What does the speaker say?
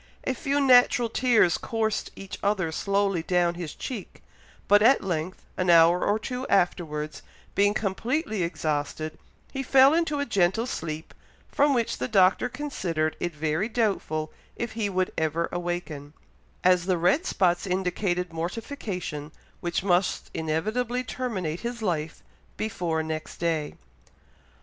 A few natural tears coursed each other slowly down his cheek; but at length, an hour or two afterwards, being completely exhausted, he fell into a gentle sleep, from which the Doctor considered it very doubtful if he would ever awaken, as the red spots indicated mortification, which must inevitably terminate his life before next day.